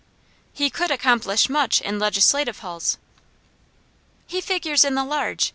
"He could accomplish much in legislative halls." "He figures in the large.